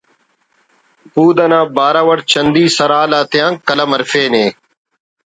بود انا بارو اٹ چندی سرحال آتیا قلم ہرفینے